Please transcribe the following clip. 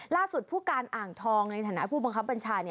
ผู้การอ่างทองในฐานะผู้บังคับบัญชา